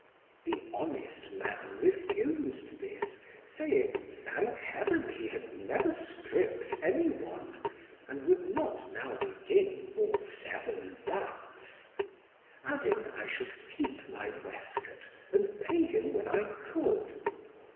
The honest man refused this, saying, thank Heaven, he had never stripped any one, and would not now begin for seven batz, adding I should keep my waistcoat and pay him when I could.